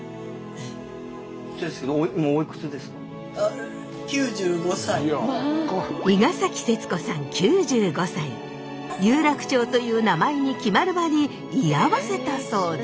失礼ですけど今有楽町という名前に決まる場に居合わせたそうです。